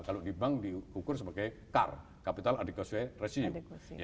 kalau di bank diukur sebagai car capital adicose resume